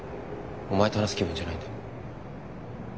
お前と話す気分じゃないんだ。